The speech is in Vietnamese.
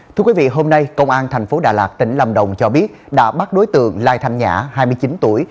thưa quý vị hôm nay công an thành phố đà lạt tỉnh lâm đồng cho biết đã bắt đối tượng lai thanh nhã hai mươi chín tuổi